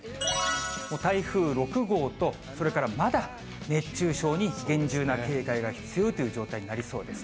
台風６号とそれからまだ熱中症に厳重な警戒が必要という状態になりそうです。